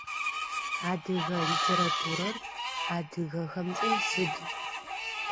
Адыгэ литературэр адыгэхэмкӏэ сыд?